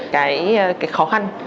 cái khó khăn